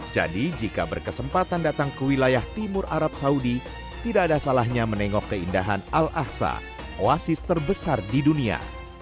jadi jika berkesempatan datang ke wilayah timur arab saudi tidak ada salahnya menengok keindahan al ahsa oasis terbesar di dunia